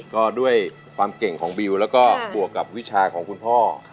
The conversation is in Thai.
ก็ด้วยความเก่งของบิวแล้วก็บวกกับวิชาของคุณพ่อ